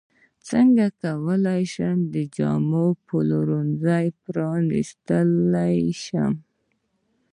څنګه کولی شم د جامو پلورنځی پرانستلی شم